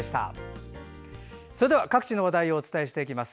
それでは各地の話題をお伝えしていきます。